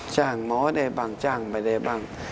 จ้างหมอได้บ้างจ้างไม่ได้บ้าง